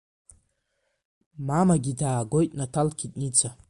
Мамагьы даагоит наҭалкит Ница.